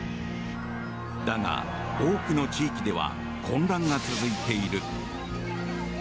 だが、多くの地域では混乱が続いている。